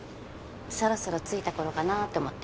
そろそろ着いた頃かなって思って。